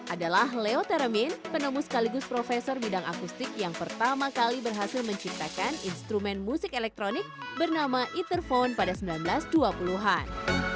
adalah leo teramin penemu sekaligus profesor bidang akustik yang pertama kali berhasil menciptakan instrumen musik elektronik bernama ether phone pada seribu sembilan ratus dua puluh an